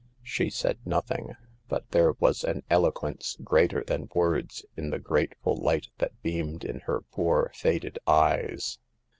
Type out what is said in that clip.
44 She said nothing, but there was an elo quence greater than words in the grateful light that beamed in her poor, faded eyes.